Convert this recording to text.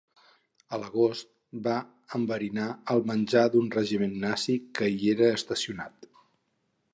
A l'agost va enverinar el menjar d'un regiment nazi que hi era estacionat.